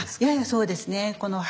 ややそうですね。